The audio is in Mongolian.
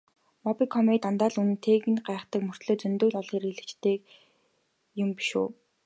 Мобикомыг дандаа л үнэтэйг нь гайхдаг мөртөө зөндөө л олон хэрэглэгчтэй юм биш үү?